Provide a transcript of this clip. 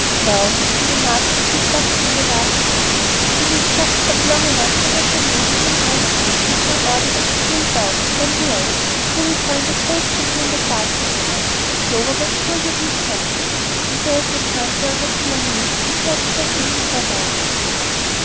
"Now," he remarked as he stuffed in the last parcel, "we will just stop long enough to get the mail and some iced tea, which I ordered as I came down, and then be off. You'll find a cold chicken in that basket, Lion. Clover was sure you'd need something, and there's no time for a regular meal if we are to get in before dark."